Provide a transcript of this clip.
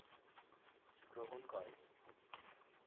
গ্রহণ করে নি।